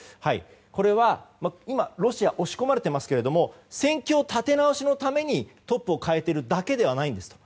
これは今、ロシア押し込まれていますけれども戦況の立て直しのためにトップを代えているだけではないんですと。